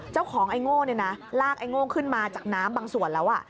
เจ้าของไอ้โง่เนี่ยนะลากไอ้โง่ขึ้นมาจากน้ำบางส่วนแล้วอ่ะ